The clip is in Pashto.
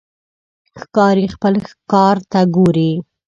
ښکاري خپل ښکار ته ګوري.